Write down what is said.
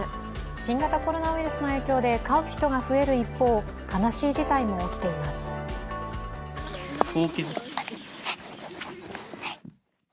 新型コロナウイルスの影響で飼う人が増える一方悲しい事態も起きています。